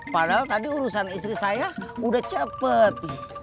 padahal tadi urusan istri saya udah cepet